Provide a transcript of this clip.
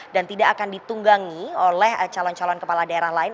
dan tidak akan ditunggangi oleh calon calon kepala daerah lain